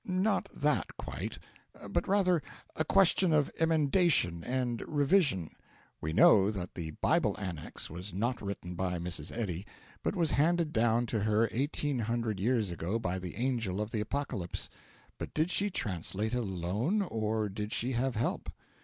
Not that quite; but, rather, a question of emendation and revision. We know that the Bible Annex was not written by Mrs. Eddy, but was handed down to her eighteen hundred years ago by the Angel of the Apocalypse; but did she translate it alone, or did she have help?